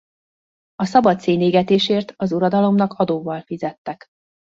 A szabad szénégetésért az uradalomnak adóval fizettek.